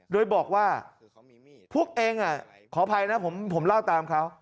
โดยบอกว่าพวกเองขออภัยนะผมเล่าตามเขา